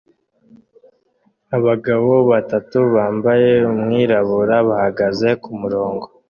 Abagabo batatu bambaye umwirabura bahagaze kumurongo